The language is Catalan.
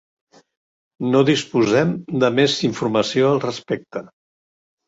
No disposem de més informació al respecte.